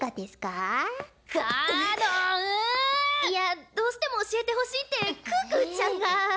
いやどうしても教えてほしいって可可ちゃんが！